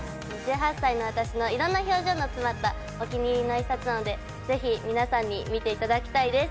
１８歳の私の色んな表情の詰まったお気に入りの一冊なのでぜひ皆さんに見て頂きたいです。